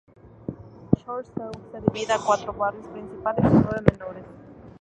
Chorzów se divide a cuatro barrios principales y nueve menores.